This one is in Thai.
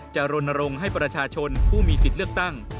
รณรงค์ให้ประชาชนผู้มีสิทธิ์เลือกตั้ง